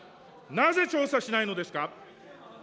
なぜ調査しないのですか。